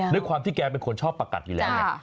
ด้วยความที่แกเป็นคนชอบประกัดอยู่แล้วไง